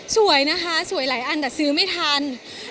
สวยนะคะสวยหลายอันแต่ซื้อไม่ทัน